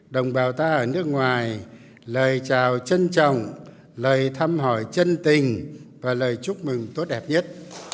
đồng bào ta ở nước ngoài lời chào trân trọng lời thăm hỏi chân tình và lời chúc mừng tốt đẹp nhất